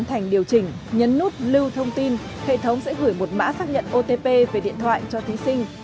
hệ thống sẽ gửi một mã xác nhận otp về điện thoại cho thí sinh